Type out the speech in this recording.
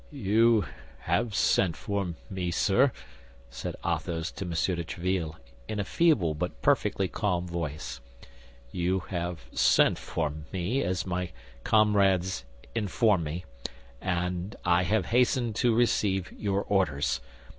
"You have sent for me, sir," said Athos to M. de Tréville, in a feeble yet perfectly calm voice, "you have sent for me, as my comrades inform me, and I have hastened to receive your orders.